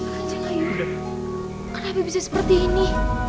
kenapa bisa seperti ini